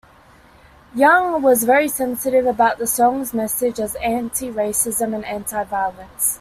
Young was very sensitive about the song's message as anti-racism and anti-violence.